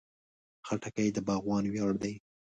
خټکی د باغوان ویاړ دی.